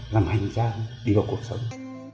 làm hành ra đi vào cuộc sống